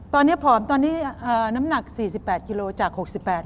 ตอนนี้ผอมตอนนี้น้ำหนัก๔๘กิโลติกสิบแปด